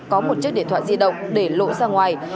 có một chiếc điện thoại di động để lộ ra ngoài